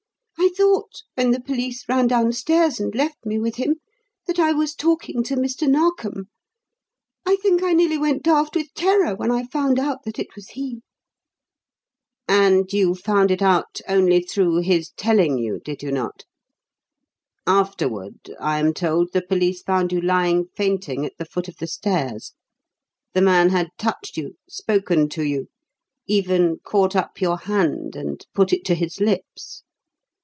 I thought, when the police ran down stairs and left me with him, that I was talking to Mr. Narkom. I think I nearly went daft with terror when I found out that it was he." "And you found it out only through his telling you, did you not? Afterward, I am told, the police found you lying fainting at the foot of the stairs. The man had touched you, spoken to you, even caught up your hand and put it to his lips?